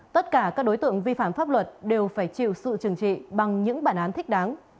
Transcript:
tất cả các đối tượng vi phạm pháp luật đều phải chịu sự trừng trị bằng những bản án thích đáng